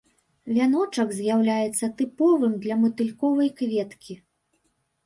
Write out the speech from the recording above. Вяночак з'яўляецца тыповым для матыльковай кветкі.